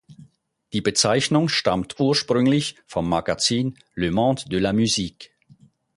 Die Bezeichnung stammt ursprünglich vom Magazin "Le Monde de la musique".